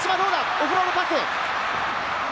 オフロードパス！